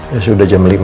ya sudah jam lima